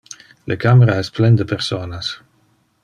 Le camera es plen de personas.